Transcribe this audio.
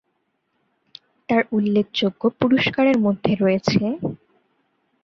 তাঁর উল্লেখযোগ্য পুরস্কারের মধ্যে রয়েছে-